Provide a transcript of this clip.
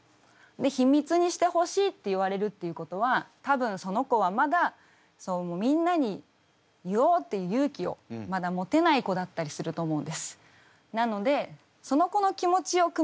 「秘密にしてほしい」って言われるっていうことは多分その子はまだみんなに言おうっていう勇気をまだ持てない子だったりすると思うんです。